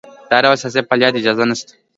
د هر ډول سیاسي فعالیت اجازه نشته.